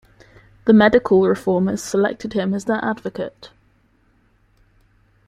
The medical reformers selected him as their advocate.